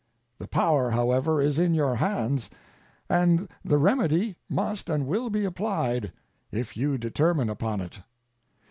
The power, however, is in your hands, and the remedy must and will be applied if you determine upon it.